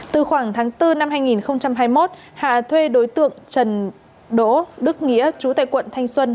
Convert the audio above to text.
từ khoảng tháng bốn năm hai nghìn hai mươi một hà thuê đối tượng trần đỗ đức nghĩa chú tại quận thanh xuân